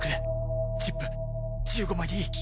チップ１５枚でいい。